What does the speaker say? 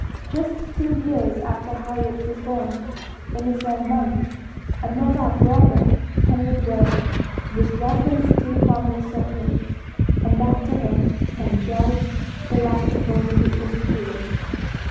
Just two years after Harriet was born, in the same month, another brother, Henry Ward, was welcomed to the family circle, and after him came Charles, the last of Roxanna Beecher's children.